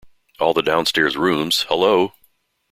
All the downstairs rooms — Hullo!